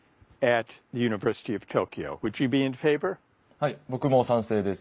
はい僕も賛成です。